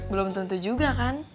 belum tentu juga kan